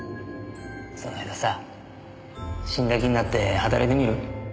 それならさ死んだ気になって働いてみる？